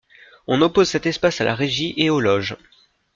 On oppose cet espace à la régie et aux loges.